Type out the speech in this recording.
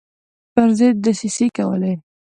پر ضد دسیسې کولې.